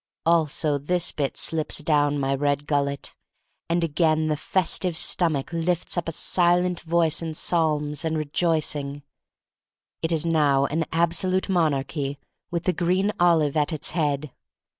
Also this bit slips down my red gul let, and again the festive Stomach lifts up a silent voice in psalms and rejoic ing. It is now an absolute monarchy with the green olive at its head.